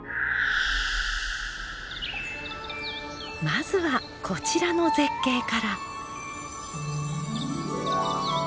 まずはこちらの絶景から。